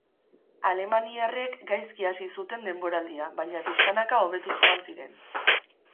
Alemaniarrek gaizki hasi zuten denboraldia, baina pixkanaka hobetuz joan ziren.